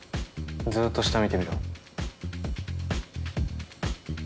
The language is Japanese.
ずーっと下見てみろ。